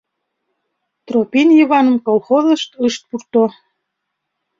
Тропин Йываным колхозыш ышт пурто.